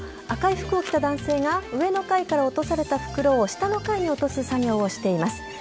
赤い服を着た男性が上の階から落とされた袋を下の階に落とす作業をしています。